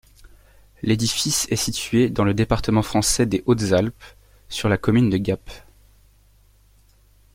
L'édifice est situé dans le département français des Hautes-Alpes, sur la commune de Gap.